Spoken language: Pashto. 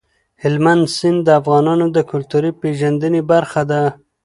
هلمند سیند د افغانانو د کلتوري پیژندنې برخه ده.